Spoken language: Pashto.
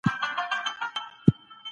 سترګو پورته کول د باور نښه ده.